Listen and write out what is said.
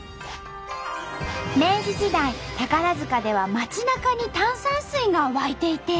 明治時代宝塚では街なかに炭酸水が湧いていて。